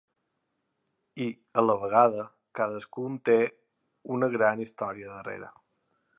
I, a la vegada, cadascun té una gran història darrere.